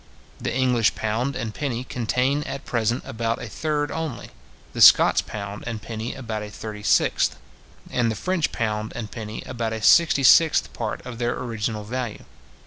The English pound and penny contain at present about a third only; the Scots pound and penny about a thirty sixth; and the French pound and penny about a sixty sixth part of their original value.